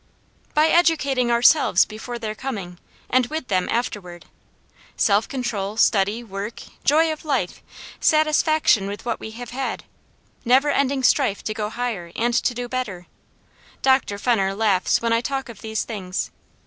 "By educating ourselves before their coming, and with them afterward. Self control, study, work, joy of life, satisfaction with what we have had, never ending strife to go higher, and to do better Dr. Fenner laughs when I talk of these things.